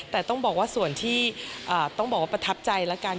แต่ต้องบอกว่าส่วนที่ต้องบอกว่าประทับใจแล้วกัน